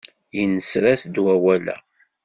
Yenser-as-d wawal-a.